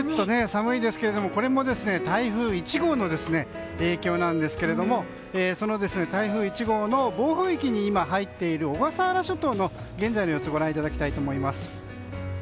寒いですけどもこれも台風１号の影響なんですけれどもその台風１号の暴風域に今、入っている小笠原諸島の現在の様子をご覧いただきたいと思います。